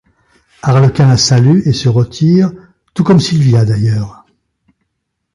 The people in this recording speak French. Arlequin la salue et se retire tout comme Silvia d’ailleurs.